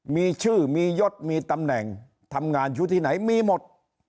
มีชื่อมียศมีตำแหน่งทำงานอยู่ที่ไหนมีหมด